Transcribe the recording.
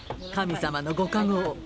神様のご加護を。